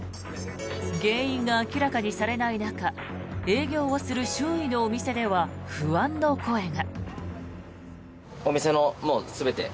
原因が明らかにされない中営業をする周囲のお店では不安の声が。